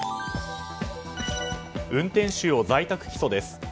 運転手を在宅起訴です。